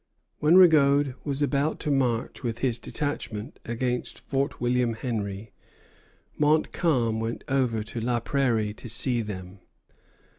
When Rigaud was about to march with his detachment against Fort William Henry, Montcalm went over to La Prairie to see them.